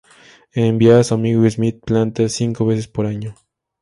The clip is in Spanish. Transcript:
Envía a su amigo Smith plantas, cinco veces por año.